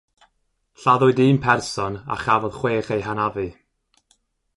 Lladdwyd un person a chafodd chwech eu hanafu.